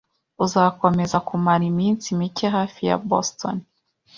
Uzakomeza kumara iminsi mike hafi ya Boston?